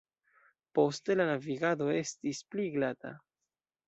Poste la navigado estis pli glata.